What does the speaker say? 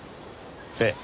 ええ。